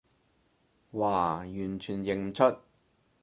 嘩，完全認唔出